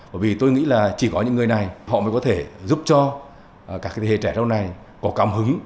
bởi vì tôi nghĩ là chỉ có những người này họ mới có thể giúp cho các thế hệ trẻ sau này có cảm hứng